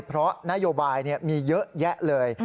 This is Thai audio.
เพราะนโยบายมีเยอะแยะเลย